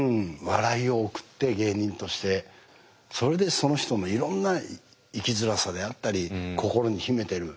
笑いを送って芸人としてそれでその人のいろんな生きづらさであったり心に秘めている。